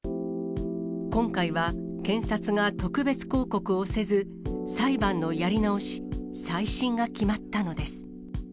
今回は検察が特別抗告をせず、裁判のやり直し・再審が決まったのです。